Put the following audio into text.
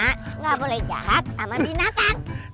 tidak boleh jahat sama binatang